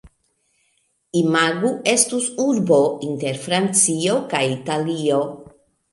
Imagu estus urbo inter Francio kaj Italio.